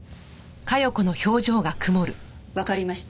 わかりました。